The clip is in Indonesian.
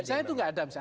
misalnya itu nggak ada